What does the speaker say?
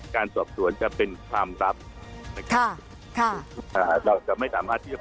การสอบสวนจะเป็นความลับนะครับค่ะอ่าเราจะไม่สามารถที่จะ